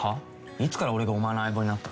いつから俺がお前の相棒になった？